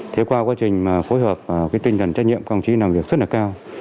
thế qua quá trình phối hợp và cái tinh thần trách nhiệm công chí làm việc rất là cao